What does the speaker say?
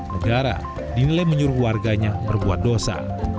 negara dinilai menyuruh warganya berbuat dosa